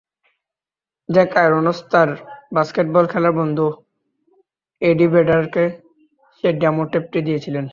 Jack Irons তাঁর basketball খেলার বন্ধু এডি ভেডারকে সেই ডেমো টেপটি দিয়েছিলেন।